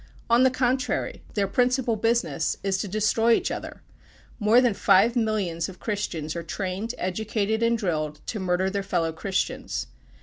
On the contrary, their principal business is to destroy each other. More than five millions of Christians are trained, educated, and drilled to murder their fellow christians.